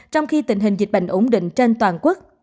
trong khi tình hình dịch bệnh ổn định trên toàn quốc